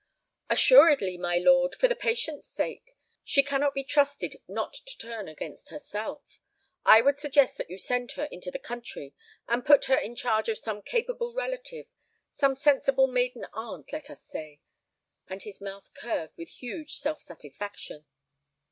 "Assuredly, my lord, for the patient's sake. She cannot be trusted not to turn against herself. I would suggest that you send her into the country and put her in charge of some capable relative—some sensible maiden aunt, let us say." And his mouth curved with huge self satisfaction.